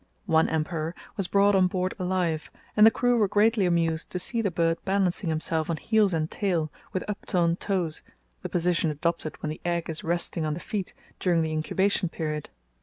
One emperor was brought on board alive, and the crew were greatly amused to see the bird balancing himself on heels and tail, with upturned toes, the position adopted when the egg is resting on the feet during the incubation period.